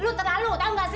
lo terlalu tau gak sih